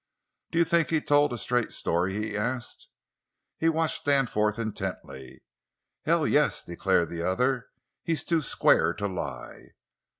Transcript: "Do you think he told a straight story?" he asked. He watched Danforth intently. "Hell, yes!" declared the other. "He's too square to lie!"